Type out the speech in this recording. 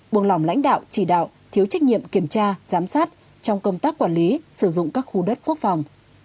buông lỏng lãnh đạo chỉ đạo thiếu trách nhiệm kiểm tra giám sát trong công tác quản lý sử dụng các khu đất quốc phòng